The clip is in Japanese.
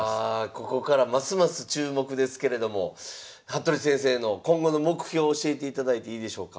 ここからますます注目ですけれども服部先生の今後の目標を教えていただいていいでしょうか。